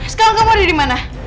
sekolah kemudian dimana